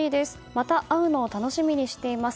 また会うのを楽しみにしています。